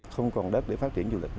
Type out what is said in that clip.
không còn đất để phát triển du lịch